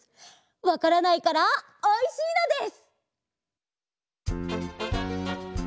わからないからおいしいのです！